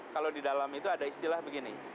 kalau di dalam itu ada istilah begini